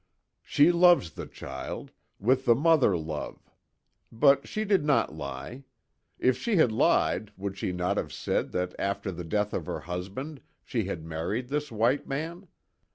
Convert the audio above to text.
"She loves the child with the mother love. But she did not lie. If she had lied, would she not have said that after the death of her husband she had married this white man?